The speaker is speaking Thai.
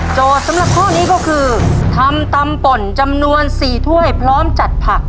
สำหรับข้อนี้ก็คือทำตำป่นจำนวน๔ถ้วยพร้อมจัดผัก